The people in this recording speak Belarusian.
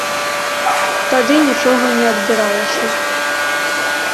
Тады нічога не адбіралася.